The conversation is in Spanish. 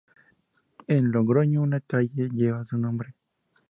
En Logroño una calle lleva su nombre.